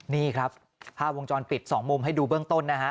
นี่ครับภาพวงจรปิดสองมุมให้ดูเบื้องต้นนะฮะ